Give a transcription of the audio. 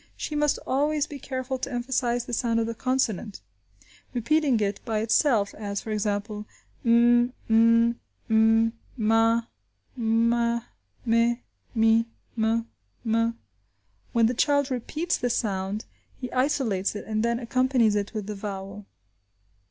She must always be careful to emphasize the sound of the consonant, repeating it by itself, as, for example, m, m, m, ma, me, mi, m, m. When the child repeats the sound he isolates it, and then accompanies it with the vowel.